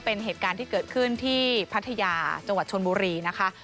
เป็นเหตุการณ์ที่เกิดขึ้นที่พัทยาจังหวัดชนบุรีนะคะ